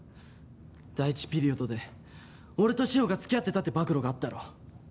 第１ピリオドで俺と志法が付き合ってたって暴露があったろ。